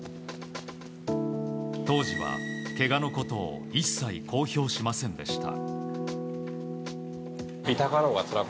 当時は、けがのことを一切公表しませんでした。